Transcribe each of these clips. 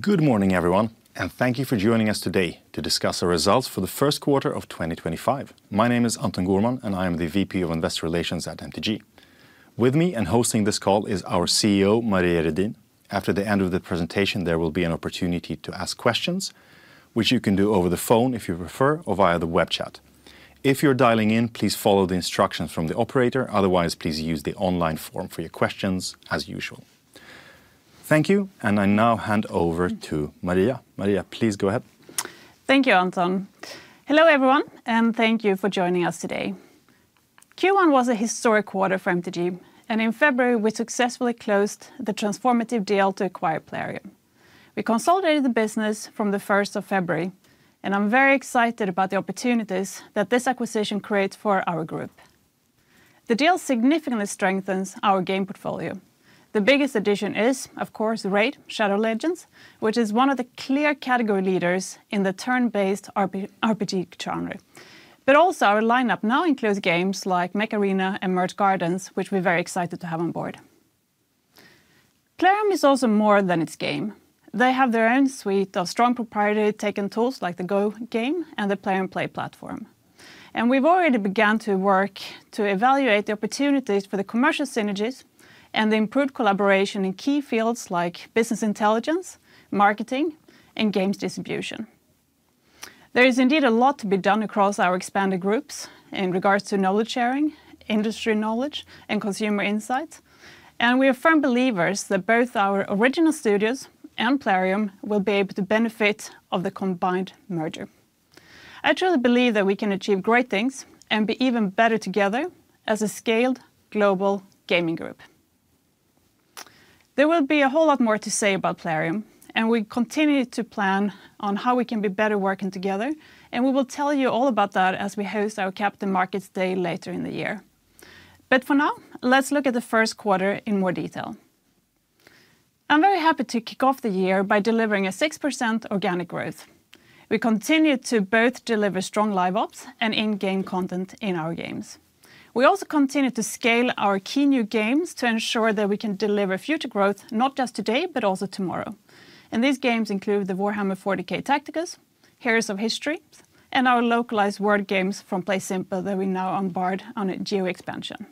Good morning, everyone, and thank you for joining us today to discuss our results for the Q1 of 2025. My name is Anton Gourman, and I am the VP of Investor Relations at MTG. With me and hosting this call is our CEO, Maria Redin. After the end of the presentation, there will be an opportunity to ask questions, which you can do over the phone if you prefer, or via the web chat. If you're dialing in, please follow the instructions from the operator. Otherwise, please use the online form for your questions, as usual. Thank you, and I now hand over to Maria. Maria, please go ahead. Thank you, Anton. Hello, everyone, and thank you for joining us today. Q1 was a historic quarter for MTG, and in February, we successfully closed the transformative deal to acquire Plarium. We consolidated the business from the 1st of February, and I'm very excited about the opportunities that this acquisition creates for our group. The deal significantly strengthens our game portfolio. The biggest addition is, of course, Raid: Shadow Legends, which is one of the clear category leaders in the turn-based RPG genre. Our lineup now includes games like Mech Arena and Merge Gardens, which we're very excited to have on board. Plarium is also more than its game. They have their own suite of strong proprietary tech and tools like the Go Game and the Plarium Play platform. We have already begun to work to evaluate the opportunities for the commercial synergies and the improved collaboration in key fields like business intelligence, marketing, and games distribution. There is indeed a lot to be done across our expanded groups in regards to knowledge sharing, industry knowledge, and consumer insights. We are firm believers that both our original studios and Plarium will be able to benefit from the combined merger. I truly believe that we can achieve great things and be even better together as a scaled global gaming group. There will be a whole lot more to say about Plarium, and we continue to plan on how we can be better working together. We will tell you all about that as we host our Capital Markets Day later in the year. For now, let's look at the Q1 in more detail. I'm very happy to kick off the year by delivering a 6% organic growth. We continue to both deliver strong live-ops and in-game content in our games. We also continue to scale our key new games to ensure that we can deliver future growth, not just today, but also tomorrow. These games include Warhammer 40K Tacticus, Heroes of History, and our localized word games from PlaySimple that we now embark on a geo-expansion.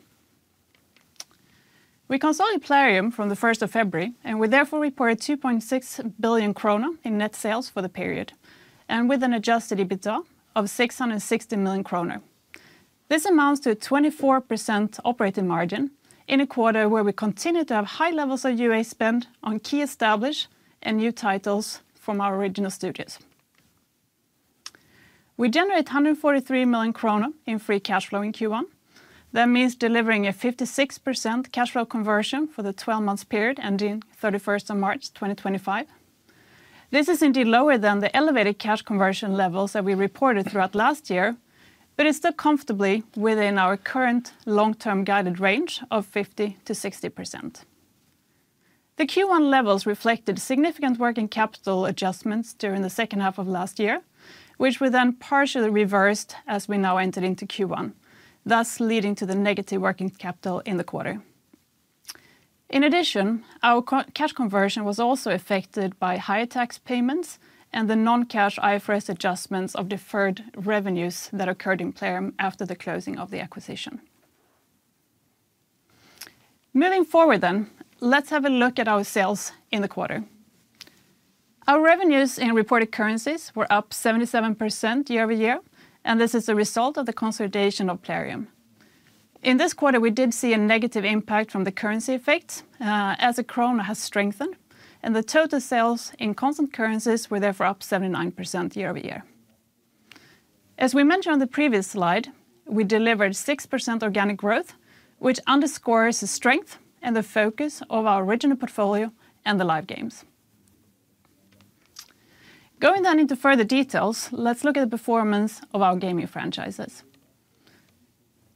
We consolidated Plarium from the 1st of February, and we therefore reported 2.6 billion krona in net sales for the period, and with an adjusted EBITDA of 660 million krona. This amounts to a 24% operating margin in a quarter where we continue to have high levels of UA spend on key established and new titles from our original studios. We generate 143 million krona in free cash flow in Q1. That means delivering a 56% cash flow conversion for the 12-month period ending 31st of March 2025. This is indeed lower than the elevated cash conversion levels that we reported throughout last year, but it's still comfortably within our current long-term guided range of 50%-60%. The Q1 levels reflected significant working capital adjustments during the second half of last year, which we then partially reversed as we now entered into Q1, thus leading to the negative working capital in the quarter. In addition, our cash conversion was also affected by higher tax payments and the non-cash IFRS adjustments of deferred revenues that occurred in Plarium after the closing of the acquisition. Moving forward, then, let's have a look at our sales in the quarter. Our revenues in reported currencies were up 77% year-over-year, and this is the result of the consolidation of Plarium. In this quarter, we did see a negative impact from the currency effect as the kronor has strengthened, and the total sales in constant currencies were therefore up 79% year-over-year. As we mentioned on the previous slide, we delivered 6% organic growth, which underscores the strength and the focus of our original portfolio and the live games. Going then into further details, let's look at the performance of our gaming franchises.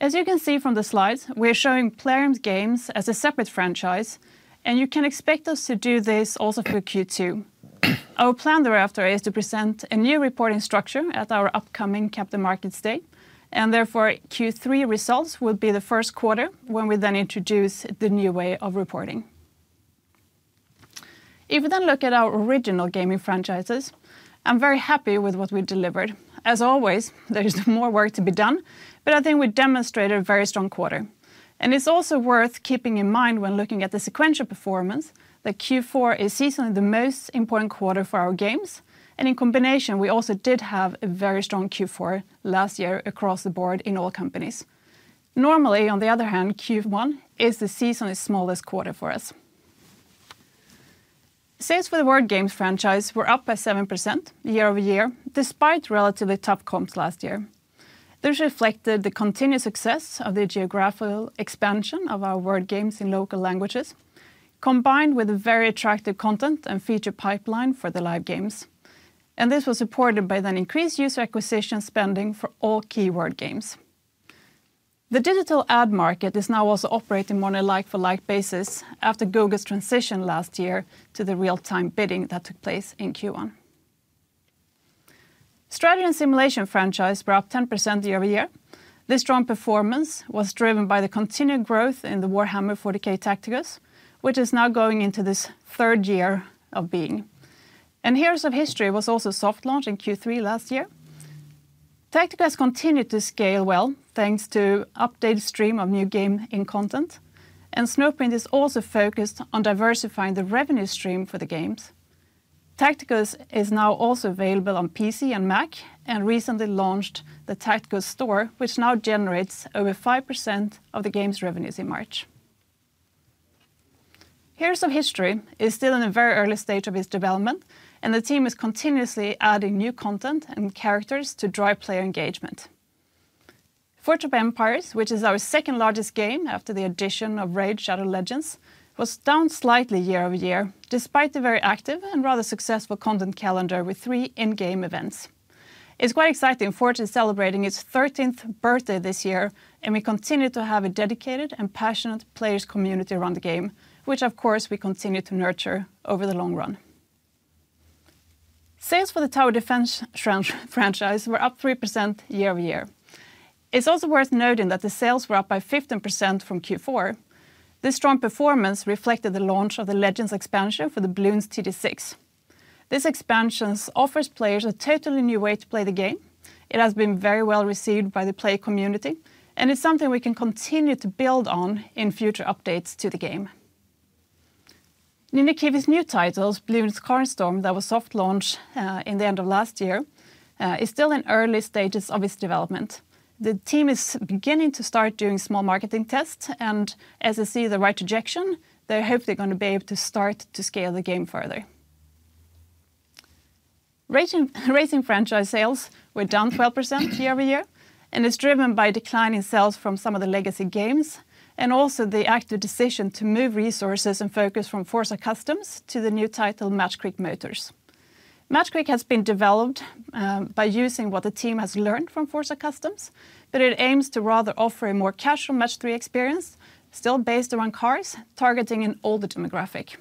As you can see from the slides, we are showing Plarium's games as a separate franchise, and you can expect us to do this also for Q2. Our plan thereafter is to present a new reporting structure at our upcoming Capital Markets Day, and therefore Q3 results will be the Q1 when we then introduce the new way of reporting. If we then look at our original gaming franchises, I'm very happy with what we delivered. As always, there is more work to be done, but I think we demonstrated a very strong quarter. It is also worth keeping in mind when looking at the sequential performance that Q4 is seasonally the most important quarter for our games, and in combination, we also did have a very strong Q4 last year across the board in all companies. Normally, on the other hand, Q1 is the seasonally smallest quarter for us. Sales for the word games franchise were up by 7% year-over-year, despite relatively tough comps last year. This reflected the continued success of the geographical expansion of our word games in local languages, combined with a very attractive content and feature pipeline for the live games. This was supported by the increased user acquisition spending for all key word games. The digital ad market is now also operating more on a like-for-like basis after Google's transition last year to the real-time bidding that took place in Q1. Strategy and Simulation franchise were up 10% year-over-year. This strong performance was driven by the continued growth in the Warhammer 40K Tacticus, which is now going into this third year of being. Heroes of History was also soft-launched in Q3 last year. Tacticus continued to scale well, thanks to an updated stream of new game content, and Snowprint is also focused on diversifying the revenue stream for the games. Tacticus is now also available on PC and Mac, and recently launched the Tacticus Store, which now generates over 5% of the game's revenues in March. Heroes of History is still in a very early stage of its development, and the team is continuously adding new content and characters to drive player engagement. Forge of Empires, which is our second largest game after the addition of Raid: Shadow Legends, was down slightly year-over-year, despite the very active and rather successful content calendar with three in-game events. It's quite exciting for it to be celebrating its 13th birthday this year, and we continue to have a dedicated and passionate players' community around the game, which, of course, we continue to nurture over the long run. Sales for the Tower Defense franchise were up 3% year-over-year. It's also worth noting that the sales were up by 15% from Q4. This strong performance reflected the launch of the Legends expansion for the Bloons TD6. This expansion offers players a totally new way to play the game. It has been very well received by the Play community, and it's something we can continue to build on in future updates to the game. Ninja Kiwi's new title, Bloons Card Storm, that was soft-launched in the end of last year, is still in early stages of its development. The team is beginning to start doing small marketing tests, and as I see the right trajection, they hope they're going to be able to start to scale the game further. Racing franchise sales were down 12% year-over-year, and it's driven by declining sales from some of the legacy games and also the active decision to move resources and focus from Forza Customs to the new title, Matchcreek Motors. Matchcreek has been developed by using what the team has learned from Forza Customs, but it aims to rather offer a more casual match-three experience, still based around cars, targeting an older demographic.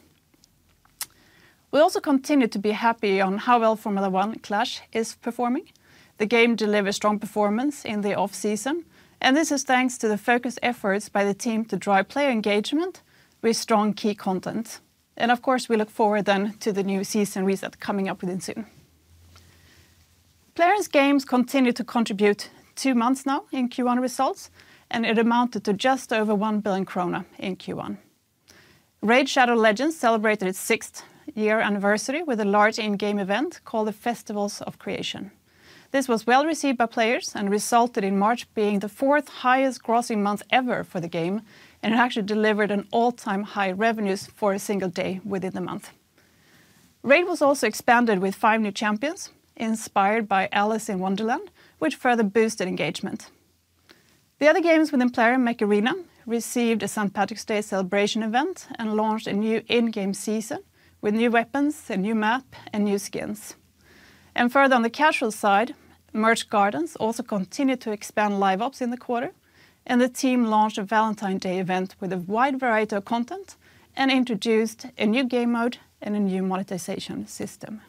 We also continue to be happy on how well Formula 1 Clash is performing. The game delivers strong performance in the off-season, and this is thanks to the focused efforts by the team to drive player engagement with strong key content. Of course, we look forward then to the new season reset coming up within soon. Plarium's games continue to contribute two months now in Q1 results, and it amounted to just over 1 billion krona in Q1. Raid: Shadow Legends celebrated its sixth year anniversary with a large in-game event called the Festivals of Creation. This was well received by players and resulted in March being the fourth highest grossing month ever for the game, and it actually delivered an all-time high revenues for a single day within the month. Raid was also expanded with five new champions inspired by Alice in Wonderland, which further boosted engagement. The other games within Plarium, Mech Arena, received a St. Patrick's Day celebration event and launched a new in-game season with new weapons, a new map, and new skins. Further on the casual side, Merge Gardens also continued to expand live-ops in the quarter, and the team launched a Valentine's Day event with a wide variety of content and introduced a new game mode and a new monetization system.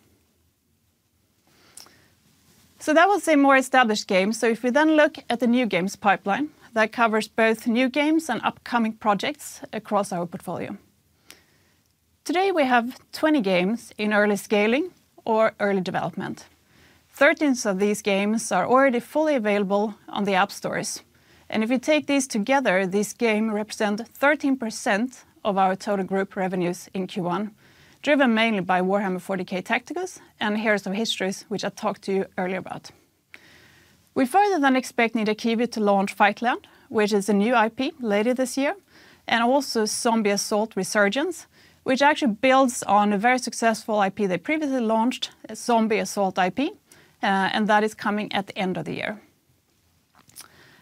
That was a more established game. If we then look at the new games pipeline, that covers both new games and upcoming projects across our portfolio. Today, we have 20 games in early scaling or early development. Thirteen of these games are already fully available on the app stores. If we take these together, these games represent 13% of our total group revenues in Q1, driven mainly by Warhammer 40K Tacticus and Heroes of History, which I talked to you earlier about. We are further than expecting Ninja Kiwi to launch Fightland, which is a new IP later this year, and also Zombie Assault: Resurgence, which actually builds on a very successful IP they previously launched, a Zombie Assault IP, and that is coming at the end of the year.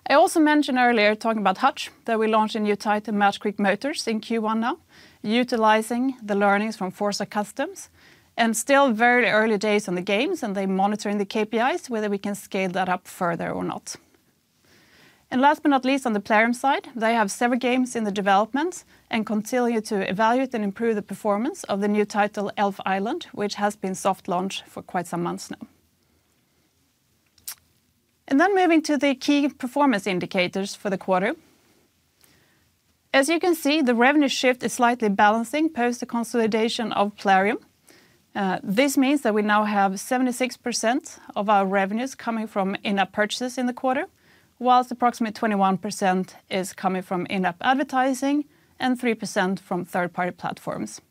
I also mentioned earlier, talking about Hutch, that we launched a new title, Match Creek Motors, in Q1 now, utilizing the learnings from Forza Customs. It is still very early days on the games, and they are monitoring the KPIs, whether we can scale that up further or not. Last but not least, on the Plarium side, they have several games in development and continue to evaluate and improve the performance of the new title, Elf Island, which has been soft-launched for quite some months now. Moving to the key performance indicators for the quarter. As you can see, the revenue shift is slightly balancing post the consolidation of Plarium. This means that we now have 76% of our revenues coming from in-app purchases in the quarter, whilst approximately 21% is coming from in-app advertising and 3% from third-party platforms.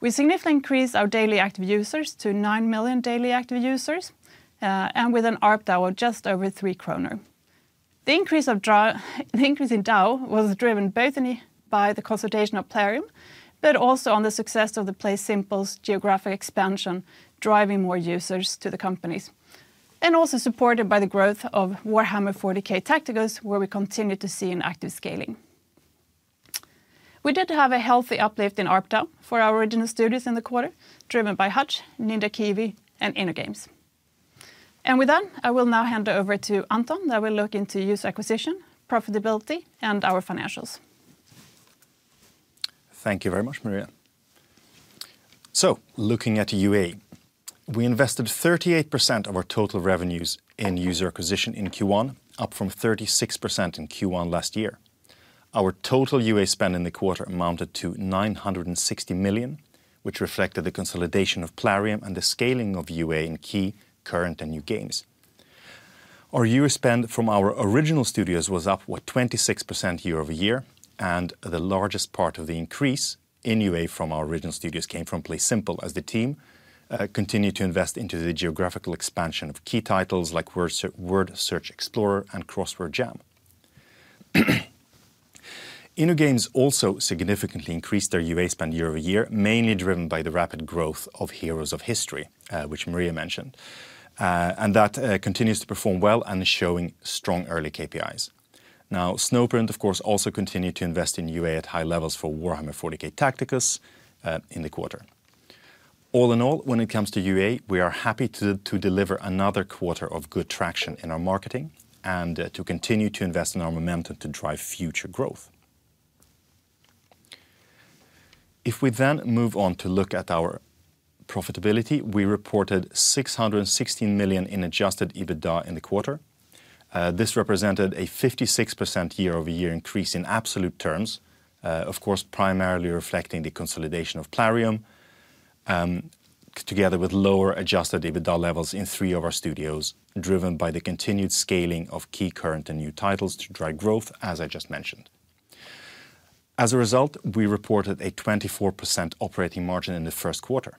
We significantly increased our daily active users to 9 million daily active users, and with an ARPDAU of just over 3 kroner. The increase in DAU was driven both by the consolidation of Plarium, but also on the success of Play Simple's geographic expansion, driving more users to the companies. Also supported by the growth of Warhammer 40K Tacticus, where we continue to see an active scaling. We did have a healthy uplift in ARPDAU for our original studios in the quarter, driven by Hutch, Ninja Kiwi, and InnoGames. With that, I will now hand over to Anton, who will look into user acquisition, profitability, and our financials. Thank you very much, Maria. Looking at UA, we invested 38% of our total revenues in user acquisition in Q1, up from 36% in Q1 last year. Our total UA spend in the quarter amounted to 960 million, which reflected the consolidation of Plarium and the scaling of UA in key, current, and new games. Our user spend from our original studios was up, what, 26% year-over-year, and the largest part of the increase in UA from our original studios came from Play Simple, as the team continued to invest into the geographical expansion of key titles like Word Search Explorer and Crossword Jam. InnoGames also significantly increased their UA spend year-over-year, mainly driven by the rapid growth of Heroes of History, which Maria mentioned, and that continues to perform well and is showing strong early KPIs. Now, Snowprint, of course, also continued to invest in UA at high levels for Warhammer 40K Tacticus in the quarter. All in all, when it comes to UA, we are happy to deliver another quarter of good traction in our marketing and to continue to invest in our momentum to drive future growth. If we then move on to look at our profitability, we reported 616 million in adjusted EBITDA in the quarter. This represented a 56% year-over-year increase in absolute terms, of course, primarily reflecting the consolidation of Plarium, together with lower adjusted EBITDA levels in three of our studios, driven by the continued scaling of key, current, and new titles to drive growth, as I just mentioned. As a result, we reported a 24% operating margin in the Q1.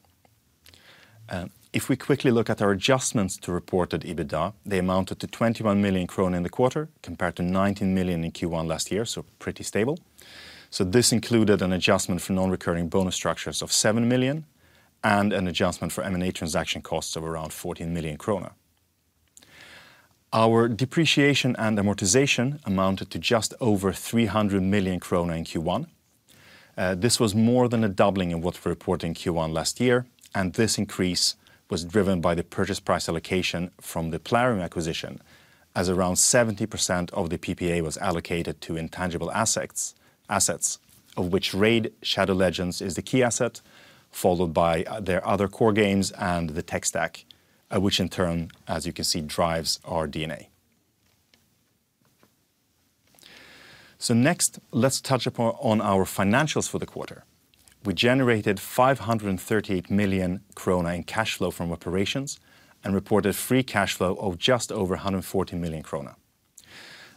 If we quickly look at our adjustments to reported EBITDA, they amounted to 21 million in the quarter, compared to 19 million in Q1 last year, so pretty stable. This included an adjustment for non-recurring bonus structures of 7 million and an adjustment for M&A transaction costs of around 14 million kronor. Our depreciation and amortization amounted to just over 300 million krona in Q1. This was more than a doubling in what we reported in Q1 last year, and this increase was driven by the purchase price allocation from the Plarium acquisition, as around 70% of the PPA was allocated to intangible assets, of which Raid: Shadow Legends is the key asset, followed by their other core games and the tech stack, which in turn, as you can see, drives our DNA. Next, let's touch upon our financials for the quarter. We generated 538 million krona in cash flow from operations and reported free cash flow of just over 140 million krona.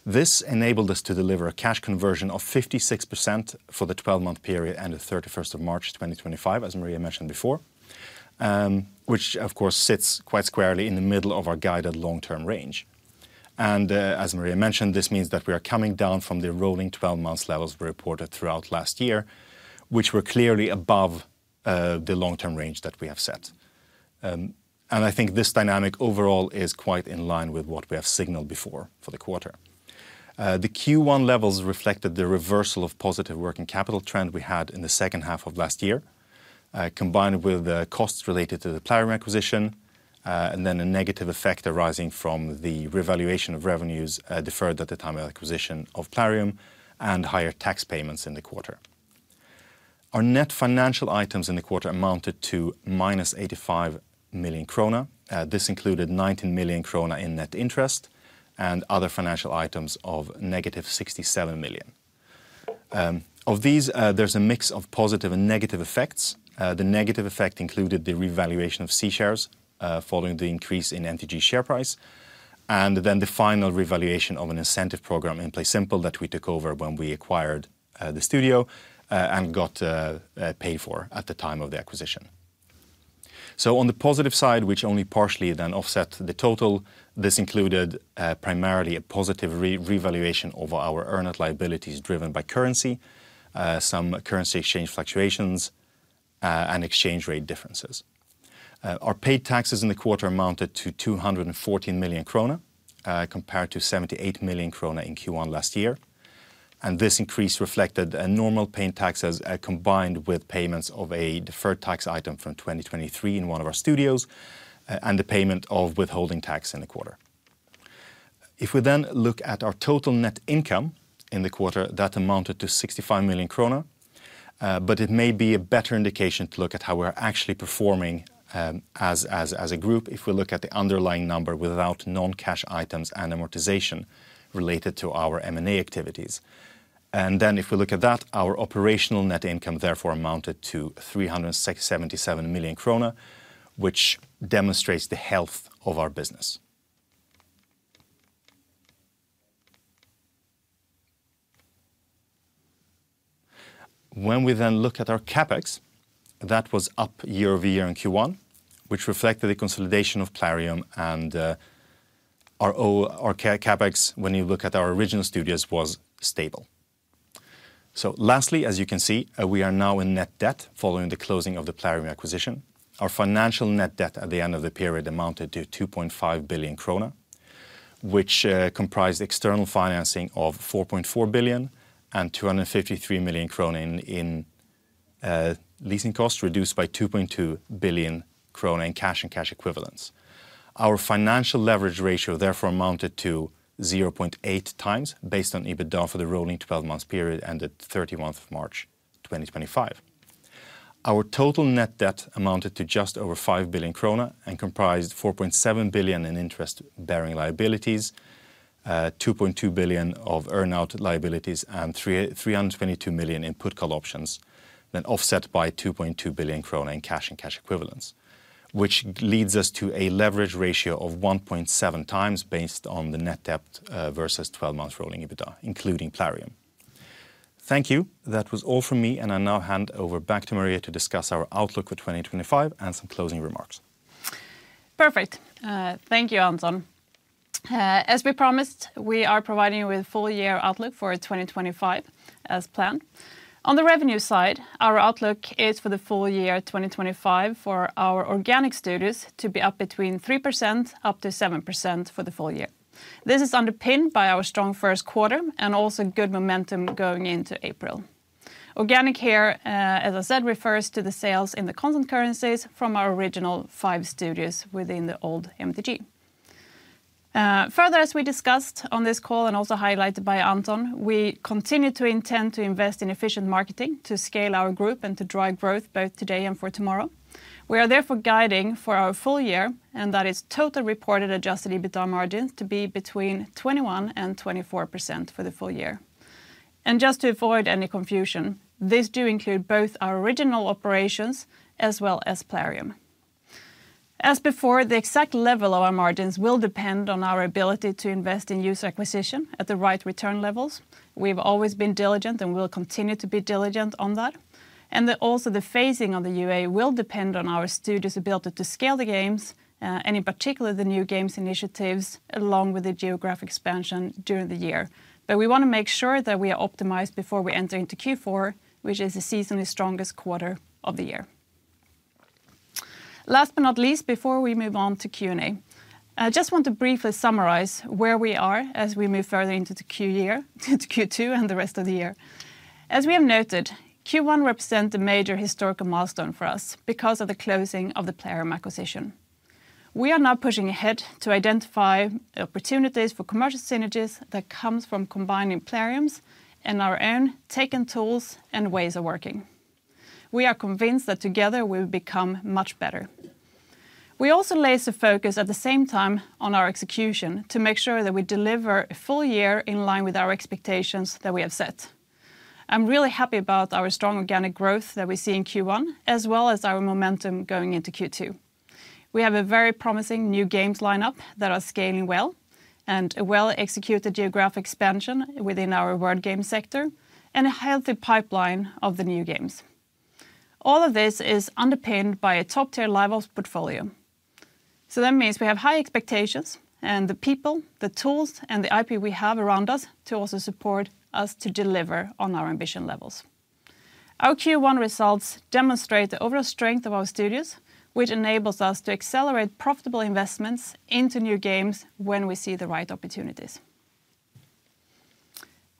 This enabled us to deliver a cash conversion of 56% for the 12-month period ended 31 March 2025, as Maria mentioned before, which, of course, sits quite squarely in the middle of our guided long-term range. As Maria mentioned, this means that we are coming down from the rolling 12-month levels we reported throughout last year, which were clearly above the long-term range that we have set. I think this dynamic overall is quite in line with what we have signaled before for the quarter. The Q1 levels reflected the reversal of positive working capital trend we had in the second half of last year, combined with the costs related to the Plarium acquisition, and then a negative effect arising from the revaluation of revenues deferred at the time of acquisition of Plarium and higher tax payments in the quarter. Our net financial items in the quarter amounted to -85 million krona. This included 19 million krona in net interest and other financial items of -67 million. Of these, there is a mix of positive and negative effects. The negative effect included the revaluation of C-shares following the increase in MTG share price, and the final revaluation of an incentive program in Play Simple that we took over when we acquired the studio and got paid for at the time of the acquisition. On the positive side, which only partially then offset the total, this included primarily a positive revaluation of our earn-out liabilities driven by currency, some currency exchange fluctuations, and exchange rate differences. Our paid taxes in the quarter amounted to 214 million krona, compared to 78 million krona in Q1 last year. This increase reflected normal paid taxes combined with payments of a deferred tax item from 2023 in one of our studios and the payment of withholding tax in the quarter. If we then look at our total net income in the quarter, that amounted to 65 million kronor, but it may be a better indication to look at how we're actually performing as a group if we look at the underlying number without non-cash items and amortization related to our M&A activities. If we look at that, our operational net income therefore amounted to 377 million krona, which demonstrates the health of our business. When we then look at our CapEx, that was up year-over-year in Q1, which reflected the consolidation of Plarium, and our CapEx, when you look at our original studios, was stable. Lastly, as you can see, we are now in net debt following the closing of the Plarium acquisition. Our financial net debt at the end of the period amounted to 2.5 billion krona, which comprised external financing of 4.4 billion and 253 million krona in leasing costs, reduced by 2.2 billion krona in cash and cash equivalents. Our financial leverage ratio therefore amounted to 0.8 times based on EBITDA for the rolling 12-month period ended 31 March 2025. Our total net debt amounted to just over 5 billion krona and comprised 4.7 billion in interest-bearing liabilities, 2.2 billion of earned liabilities, and 322 million in put call options, then offset by 2.2 billion krona in cash and cash equivalents, which leads us to a leverage ratio of 1.7 times based on the net debt versus 12-month rolling EBITDA, including Plarium. Thank you. That was all from me, and I now hand over back to Maria to discuss our outlook for 2025 and some closing remarks. Perfect. Thank you, Anton. As we promised, we are providing you with a full-year outlook for 2025 as planned. On the revenue side, our outlook is for the full year 2025 for our organic studios to be up between 3% up to 7% for the full year. This is underpinned by our strong Q1 and also good momentum going into April. Organic here, as I said, refers to the sales in the constant currencies from our original five studios within the old MTG. Further, as we discussed on this call and also highlighted by Anton, we continue to intend to invest in efficient marketing to scale our group and to drive growth both today and for tomorrow. We are therefore guiding for our full year, and that is total reported adjusted EBITDA margins to be between 21-24% for the full year. Just to avoid any confusion, these do include both our original operations as well as Plarium. As before, the exact level of our margins will depend on our ability to invest in user acquisition at the right return levels. We've always been diligent and will continue to be diligent on that. Also, the phasing of the UA will depend on our studios' ability to scale the games, and in particular, the new games initiatives along with the geographic expansion during the year. We want to make sure that we are optimized before we enter into Q4, which is the seasonally strongest quarter of the year. Last but not least, before we move on to Q&A, I just want to briefly summarize where we are as we move further into Q2 and the rest of the year. As we have noted, Q1 represents a major historical milestone for us because of the closing of the Plarium acquisition. We are now pushing ahead to identify opportunities for commercial synergies that come from combining Plarium's and our own tech and tools and ways of working. We are convinced that together we will become much better. We also place a focus at the same time on our execution to make sure that we deliver a full year in line with our expectations that we have set. I'm really happy about our strong organic growth that we see in Q1, as well as our momentum going into Q2. We have a very promising new games lineup that are scaling well, and a well-executed geographic expansion within our word game sector, and a healthy pipeline of the new games. All of this is underpinned by a top-tier live-ops portfolio. That means we have high expectations and the people, the tools, and the IP we have around us to also support us to deliver on our ambition levels. Our Q1 results demonstrate the overall strength of our studios, which enables us to accelerate profitable investments into new games when we see the right opportunities.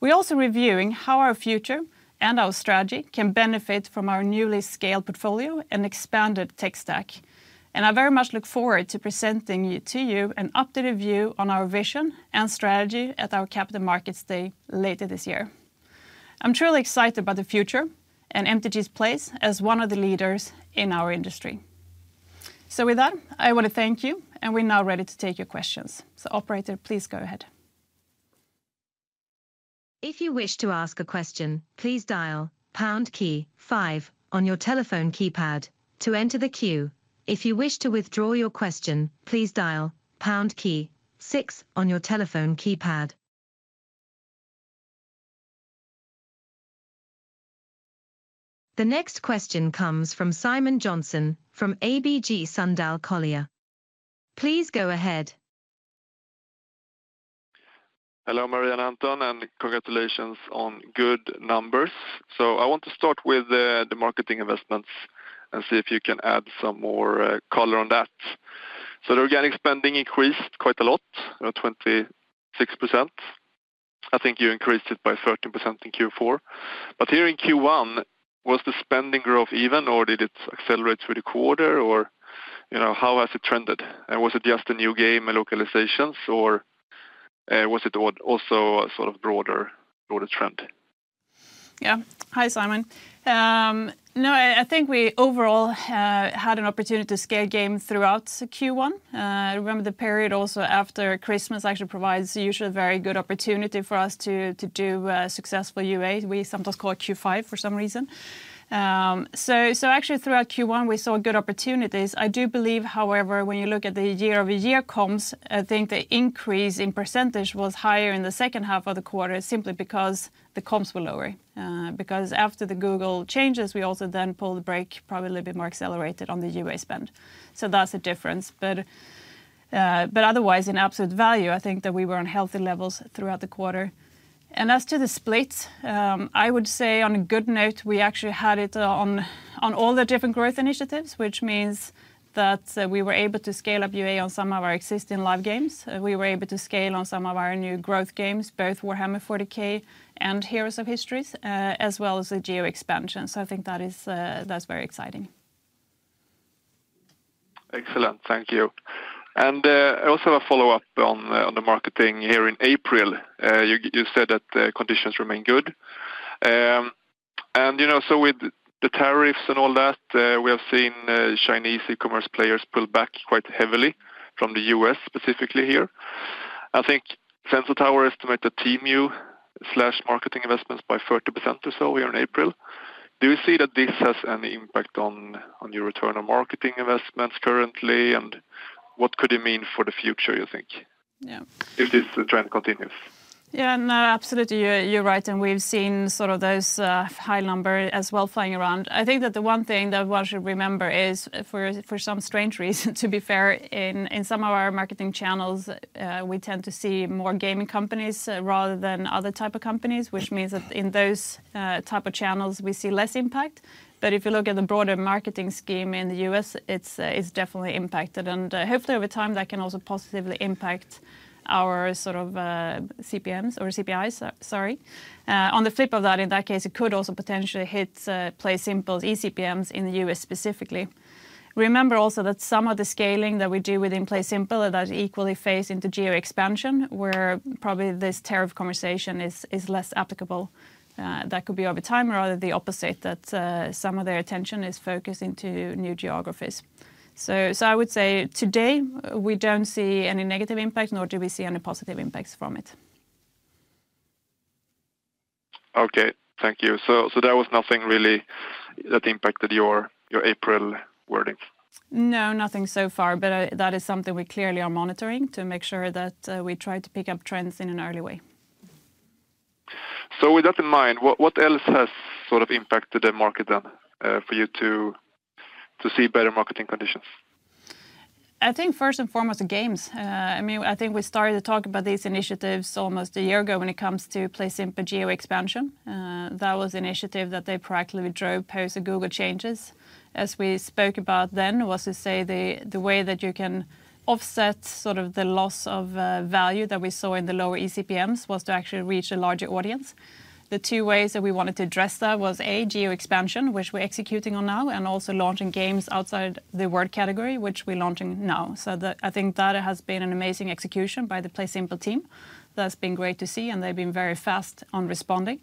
We are also reviewing how our future and our strategy can benefit from our newly scaled portfolio and expanded tech stack, and I very much look forward to presenting to you an updated view on our vision and strategy at our Capital Markets Day later this year. I'm truly excited about the future and MTG's place as one of the leaders in our industry. With that, I want to thank you, and we're now ready to take your questions. Operator, please go ahead. If you wish to ask a question, please dial pound key five on your telephone keypad to enter the queue. If you wish to withdraw your question, please dial pound key six on your telephone keypad. The next question comes from Simon Jönsson from ABG Sundal Collier. Please go ahead. Hello, Maria and Anton, and congratulations on good numbers. I want to start with the marketing investments and see if you can add some more color on that. The organic spending increased quite a lot, around 26%. I think you increased it by 13% in Q4. Here in Q1, was the spending growth even, or did it accelerate through the quarter, or how has it trended? Was it just the new game and localizations, or was it also a sort of broader trend? Yeah. Hi, Simon. No, I think we overall had an opportunity to scale game throughout Q1. Remember the period also after Christmas actually provides usually a very good opportunity for us to do a successful UA, we sometimes call it Q5 for some reason. Actually, throughout Q1, we saw good opportunities. I do believe, however, when you look at the year-over-year comps, I think the increase in % was higher in the second half of the quarter simply because the comps were lower. Because after the Google changes, we also then pulled the brake, probably a little bit more accelerated on the UA spend. That is a difference. Otherwise, in absolute value, I think that we were on healthy levels throughout the quarter. As to the splits, I would say on a good note, we actually had it on all the different growth initiatives, which means that we were able to scale up UA on some of our existing live games. We were able to scale on some of our new growth games, both Warhammer 40K and Heroes of History, as well as the geo expansion. I think that's very exciting. Excellent. Thank you. I also have a follow-up on the marketing here in April. You said that conditions remain good. With the tariffs and all that, we have seen Chinese e-commerce players pull back quite heavily from the U.S., specifically here. I think Sensor Tower estimated TMU/marketing investments by 30% or so here in April. Do you see that this has an impact on your return on marketing investments currently, and what could it mean for the future, you think, if this trend continues? Yeah, no, absolutely. You're right. We've seen sort of those high numbers as well flying around. I think that the one thing that one should remember is, for some strange reason, to be fair, in some of our marketing channels, we tend to see more gaming companies rather than other types of companies, which means that in those types of channels, we see less impact. If you look at the broader marketing scheme in the U.S., it's definitely impacted. Hopefully, over time, that can also positively impact our sort of CPMs or CPIs, sorry. On the flip of that, in that case, it could also potentially hit Play Simple's eCPMs in the U.S. specifically. Remember also that some of the scaling that we do within Play Simple that equally fades into geo expansion, where probably this tariff conversation is less applicable. That could be over time or rather the opposite, that some of their attention is focused into new geographies. I would say today, we do not see any negative impact, nor do we see any positive impacts from it. Okay. Thank you. There was nothing really that impacted your April wording? No, nothing so far, but that is something we clearly are monitoring to make sure that we try to pick up trends in an early way. With that in mind, what else has sort of impacted the market then for you to see better marketing conditions? I think first and foremost, the games. I mean, I think we started to talk about these initiatives almost a year ago when it comes to Play Simple geo expansion. That was an initiative that they proactively drove post-Google changes. As we spoke about then, it was to say the way that you can offset sort of the loss of value that we saw in the lower eCPMs was to actually reach a larger audience. The two ways that we wanted to address that was, A, geo expansion, which we're executing on now, and also launching games outside the word category, which we're launching now. I think that has been an amazing execution by the Play Simple team. That's been great to see, and they've been very fast on responding.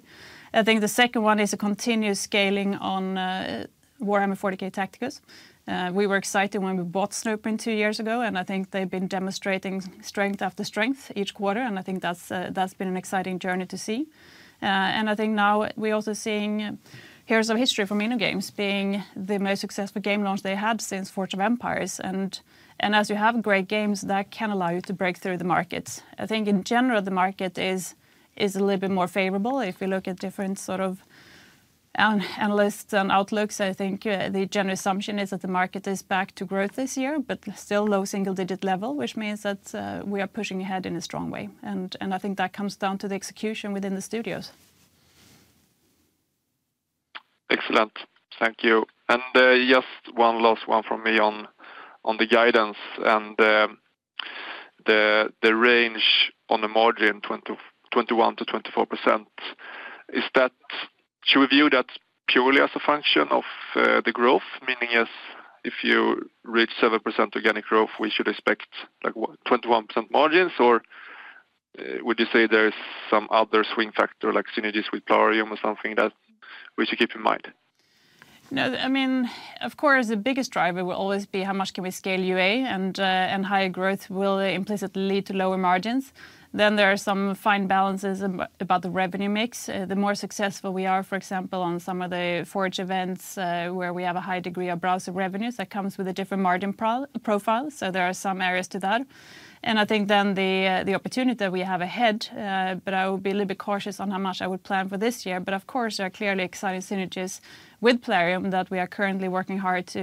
I think the second one is a continuous scaling on Warhammer 40K Tacticus. We were excited when we bought Snowprint two years ago, and I think they've been demonstrating strength after strength each quarter. I think that's been an exciting journey to see. I think now we're also seeing Heroes of History from InnoGames being the most successful game launch they had since Forge of Empires. As you have great games, that can allow you to break through the markets. I think in general, the market is a little bit more favorable. If you look at different sort of analysts and outlooks, I think the general assumption is that the market is back to growth this year, but still low single-digit level, which means that we are pushing ahead in a strong way. I think that comes down to the execution within the studios. Excellent. Thank you. Just one last one from me on the guidance and the range on the margin, 21-24%. Should we view that purely as a function of the growth, meaning if you reach 7% organic growth, we should expect 21% margins, or would you say there's some other swing factor like synergies with Plarium or something that we should keep in mind? No, I mean, of course, the biggest driver will always be how much can we scale UA, and higher growth will implicitly lead to lower margins. There are some fine balances about the revenue mix. The more successful we are, for example, on some of the Forge events where we have a high degree of browser revenues, that comes with a different margin profile. There are some areas to that. I think then the opportunity that we have ahead, but I will be a little bit cautious on how much I would plan for this year. Of course, there are clearly exciting synergies with Plarium that we are currently working hard to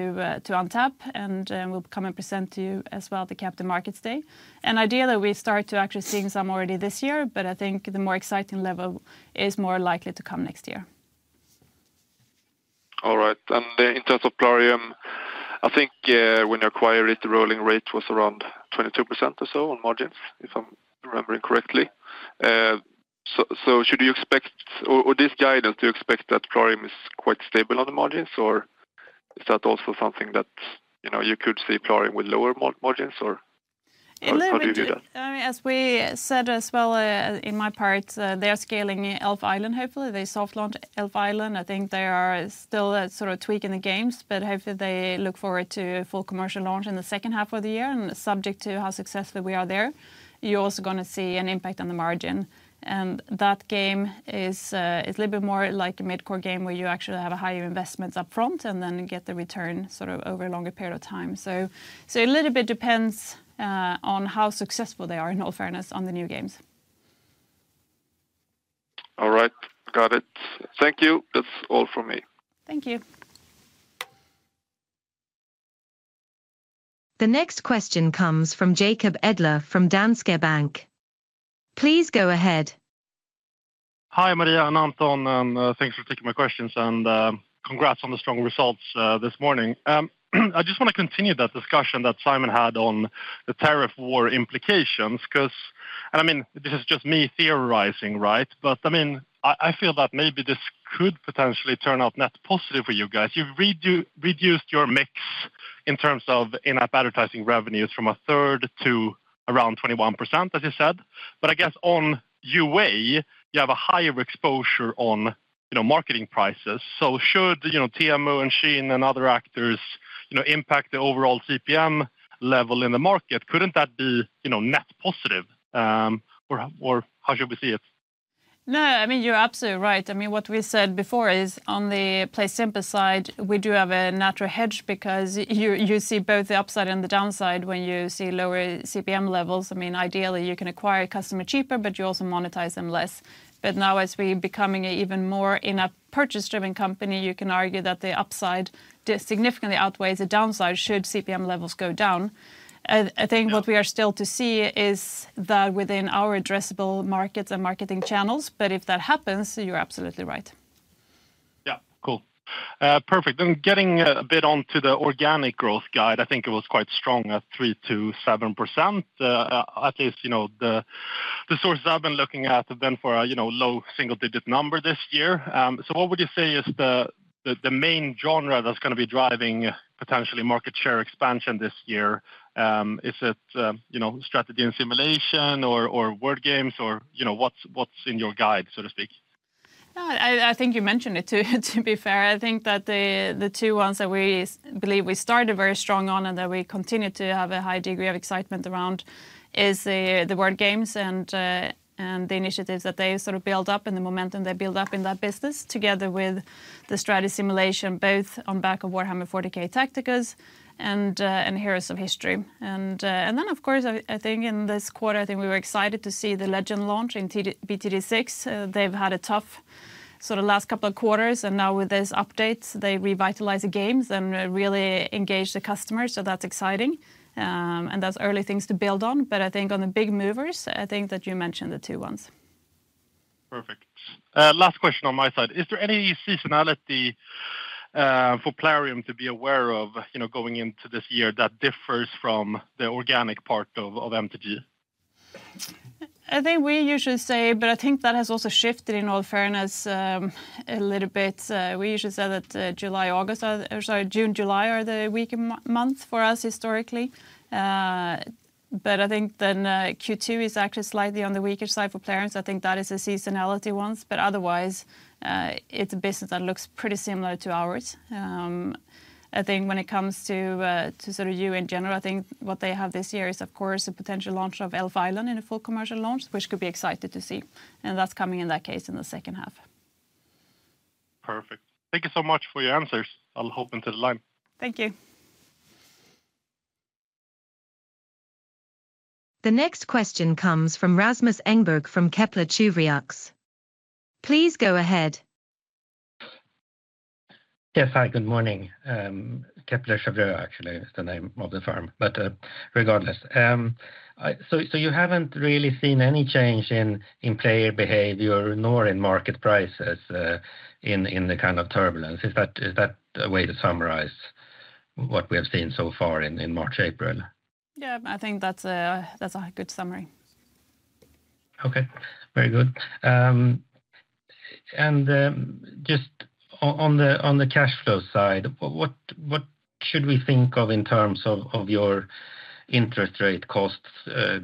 untap, and we will come and present to you as well at the Capital Markets Day. An idea that we start to actually see some already this year, but I think the more exciting level is more likely to come next year. All right. In terms of Plarium, I think when you acquired it, the rolling rate was around 22% or so on margins, if I am remembering correctly. Should you expect, or this guidance, do you expect that Plarium is quite stable on the margins, or is that also something that you could see Plarium with lower margins, or how do you view that? As we said as well in my part, they are scaling Elf Island, hopefully. They soft launched Elf Island. I think they are still sort of tweaking the games, but hopefully they look forward to full commercial launch in the second half of the year. Subject to how successful we are there, you're also going to see an impact on the margin. That game is a little bit more like a mid-core game where you actually have higher investments upfront and then get the return sort of over a longer period of time. It a little bit depends on how successful they are, in all fairness, on the new games. All right. Got it. Thank you. That's all from me. Thank you. The next question comes from Jacob Edler from Danske Bank. Please go ahead. Hi, Maria and Anton, and thanks for taking my questions, and congrats on the strong results this morning. I just want to continue that discussion that Simon had on the tariff war implications, because, and I mean, this is just me theorizing, right? I mean, I feel that maybe this could potentially turn out net positive for you guys. You reduced your mix in terms of in-app advertising revenues from a third to around 21%, as you said. I guess on UA, you have a higher exposure on marketing prices. Should TMU and Shein and other actors impact the overall CPM level in the market, couldn't that be net positive, or how should we see it? No, I mean, you're absolutely right. I mean, what we said before is on the Play Simple side, we do have a natural hedge because you see both the upside and the downside when you see lower CPM levels. I mean, ideally, you can acquire a customer cheaper, but you also monetize them less. Now, as we're becoming an even more in-app purchase-driven company, you can argue that the upside significantly outweighs the downside should CPM levels go down. I think what we are still to see is that within our addressable markets and marketing channels, but if that happens, you're absolutely right. Yeah. Cool. Perfect. Getting a bit onto the organic growth guide, I think it was quite strong at 3-7%, at least the source I've been looking at, then for a low single-digit number this year. What would you say is the main genre that's going to be driving potentially market share expansion this year? Is it strategy and simulation or word games, or what's in your guide, so to speak? I think you mentioned it, to be fair. I think that the two ones that we believe we started very strong on and that we continue to have a high degree of excitement around is the word games and the initiatives that they sort of build up and the momentum they build up in that business together with the strategy simulation, both on back of Warhammer 40K Tacticus and Heroes of History. Of course, I think in this quarter, I think we were excited to see the Legends launch in Bloons TD6. They've had a tough sort of last couple of quarters, and now with this update, they revitalize the games and really engage the customers. That is exciting, and that is early things to build on. I think on the big movers, I think that you mentioned the two ones. Perfect. Last question on my side. Is there any seasonality for Plarium to be aware of going into this year that differs from the organic part of MTG? I think we usually say, but I think that has also shifted in all fairness a little bit. We usually said that July, August, or sorry, June, July are the weaker months for us historically. I think then Q2 is actually slightly on the weaker side for Plarium. I think that is the seasonality ones. Otherwise, it is a business that looks pretty similar to ours. I think when it comes to sort of UA in general, I think what they have this year is, of course, a potential launch of Elf Island in a full commercial launch, which could be exciting to see. That is coming in that case in the second half. Perfect. Thank you so much for your answers. I'll hop into the line. Thank you. The next question comes from Rasmus Engberg from Kepler Cheuvreux. Please go ahead. Yes, hi, good morning. Kepler Cheuvreux, actually, is the name of the firm. Regardless, you haven't really seen any change in player behavior nor in market prices in the kind of turbulence. Is that a way to summarize what we have seen so far in March, April? Yeah, I think that's a good summary. Okay. Very good. Just on the cash flow side, what should we think of in terms of your interest rate costs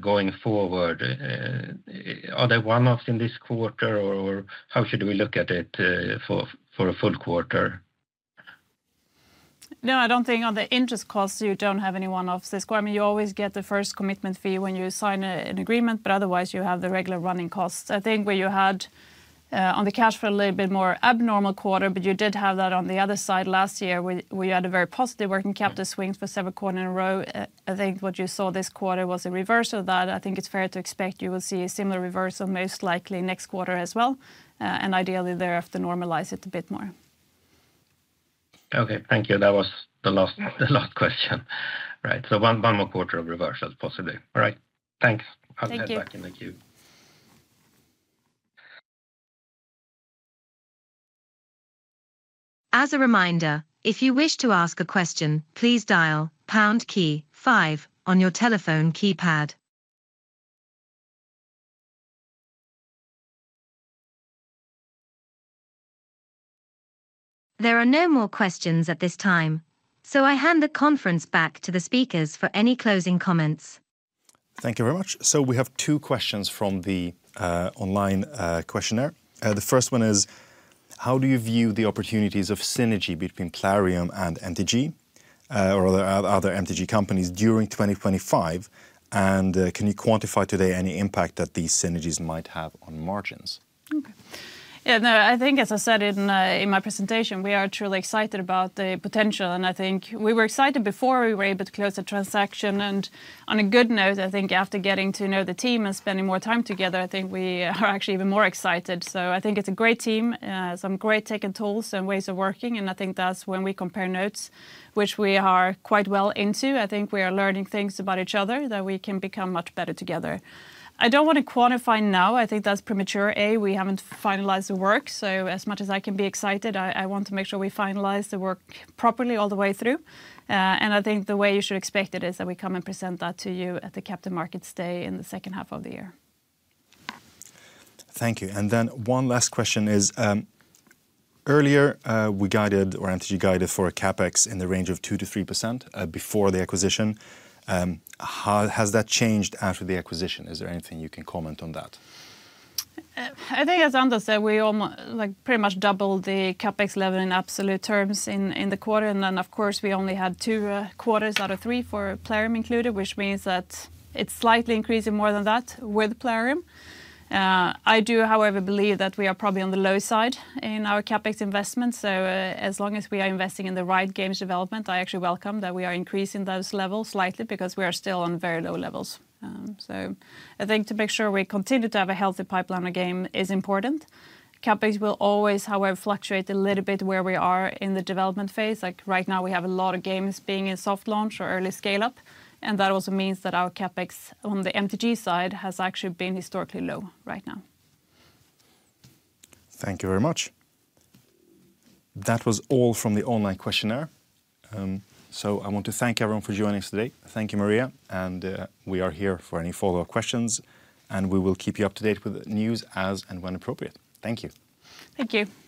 going forward? Are there one-offs in this quarter, or how should we look at it for a full quarter? No, I don't think on the interest costs, you don't have any one-offs this quarter. I mean, you always get the first commitment fee when you sign an agreement, but otherwise, you have the regular running costs. I think where you had on the cash flow a little bit more abnormal quarter, but you did have that on the other side last year where you had a very positive working capital swing for several quarters in a row. I think what you saw this quarter was a reversal of that. I think it's fair to expect you will see a similar reversal most likely next quarter as well. Ideally, thereafter, normalize it a bit more. Okay. Thank you. That was the last question. Right. One more quarter of reversals, possibly. All right. Thanks. I'll get back in the queue. As a reminder, if you wish to ask a question, please dial pound key five on your telephone keypad. There are no more questions at this time, so I hand the conference back to the speakers for any closing comments. Thank you very much. We have two questions from the online questionnaire. The first one is, how do you view the opportunities of synergy between Plarium and MTG or other MTG companies during 2025? And can you quantify today any impact that these synergies might have on margins? Okay. Yeah. No, I think, as I said in my presentation, we are truly excited about the potential. I think we were excited before we were able to close the transaction. On a good note, I think after getting to know the team and spending more time together, I think we are actually even more excited. I think it is a great team, some great tech and tools and ways of working. I think that is when we compare notes, which we are quite well into. I think we are learning things about each other that we can become much better together. I do not want to quantify now. I think that is premature. We have not finalized the work. As much as I can be excited, I want to make sure we finalize the work properly all the way through. I think the way you should expect it is that we come and present that to you at the Capital Markets Day in the second half of the year. Thank you. One last question is, earlier, we guided or MTG guided for a CapEx in the range of 2-3% before the acquisition. Has that changed after the acquisition? Is there anything you can comment on that? I think, as Anders said, we pretty much doubled the CapEx level in absolute terms in the quarter. Of course, we only had two quarters out of three for Plarium included, which means that it is slightly increasing more than that with Plarium. I do, however, believe that we are probably on the low side in our CapEx investment. As long as we are investing in the right games development, I actually welcome that we are increasing those levels slightly because we are still on very low levels. I think to make sure we continue to have a healthy pipeline of game is important. CapEx will always, however, fluctuate a little bit where we are in the development phase. Like right now, we have a lot of games being in soft launch or early scale-up. That also means that our CapEx on the MTG side has actually been historically low right now. Thank you very much. That was all from the online questionnaire. I want to thank everyone for joining us today. Thank you, Maria. We are here for any follow-up questions, and we will keep you up to date with news as and when appropriate. Thank you. Thank you.